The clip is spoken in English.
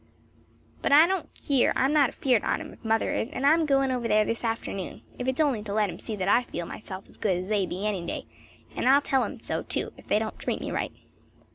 "But I don't keer, I'm not afeard on 'em, if mother is; and I'm goin' over there this afternoon; if it's only to let 'em see that I feel myself as good as they be any day; and I'll tell 'em so too, if they don't treat me right."